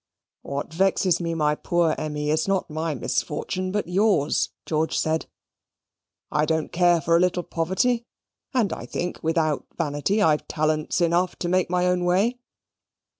"What vexes me, my poor Emmy, is not my misfortune, but yours," George said. "I don't care for a little poverty; and I think, without vanity, I've talents enough to make my own way."